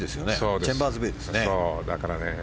チェンバーズ・ベイですよね。